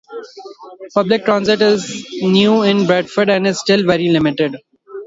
Public transit is new in Bradford and is still very limited.